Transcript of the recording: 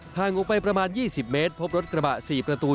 ออกไปประมาณ๒๐เมตรพบรถกระบะ๔ประตู